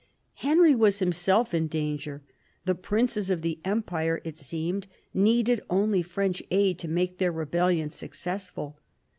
Henry was himself in danger ; the princes of the Empire, it seemed, needed only French aid to make their rebellion successful.